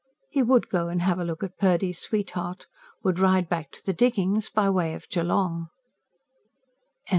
He would go and have a look at Purdy's sweetheart; would ride back to the diggings by way of Geelong.